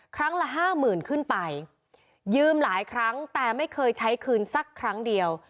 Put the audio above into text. ครั้งละห้าหมื่นขึ้นไปยืมหลายครั้งแต่ไม่เคยใช้คืนสักครั้งเดียว